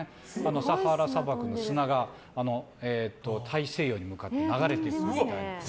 サハラ砂漠の砂が大西洋に向かって流れてるんです。